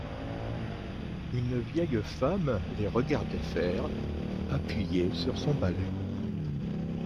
Une vieille femme les regardait faire, appuyée sur son balai.